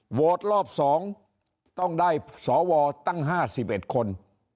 โหวตรอบ๒ต้องได้สวตั้ง๕๑คน